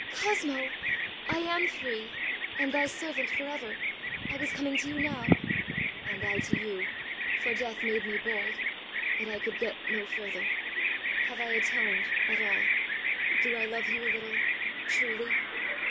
ãCosmo!ãI am freeãand thy servant for ever. I was coming to you now.ã ãAnd I to you, for Death made me bold; but I could get no further. Have I atoned at all? Do I love you a littleãtruly?